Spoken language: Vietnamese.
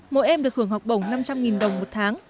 mỗi em được hưởng học bổng năm trăm linh đồng một tháng